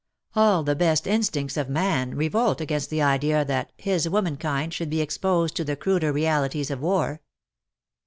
All the best instincts of 7nan revolt against the idea that his womankind" should be exposed to the cruder realities of war.